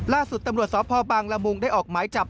ล่าสุดตำรวจสพบังละมุงได้ออกหมายจับ